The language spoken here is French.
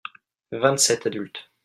vingt sept adultes.